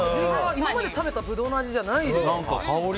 今まで食べたブドウの味じゃないです。